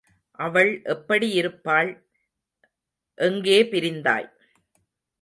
அவள் எப்படி இருப்பாள்? எங்கே பிரிந்தாய்?